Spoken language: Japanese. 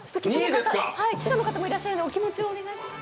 記者の方もいらっしゃるのでお気持ちをお願いします。